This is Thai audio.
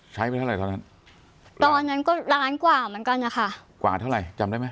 ไปเท่าไหรตอนนั้นตอนนั้นก็ล้านกว่าเหมือนกันนะคะกว่าเท่าไหร่จำได้ไหม